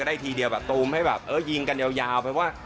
ทีเดียวแบบตูมให้แบบเออยิงกันยาวไปว่า